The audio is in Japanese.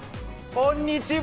こんにちは。